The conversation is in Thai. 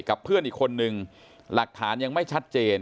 กับเพื่อนอีกคนนึงหลักฐานยังไม่ชัดเจน